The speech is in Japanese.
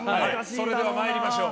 それでは参りましょう。